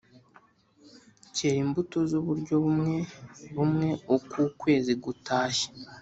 cyera imbuto z’uburyo bumwe bumwe uko ukwezi gutashye.